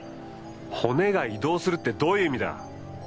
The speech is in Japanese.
骨が移動するってどういう意味だ？